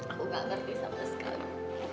aku gak ngerti sama sekali